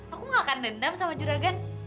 aku gak akan dendam sama juragan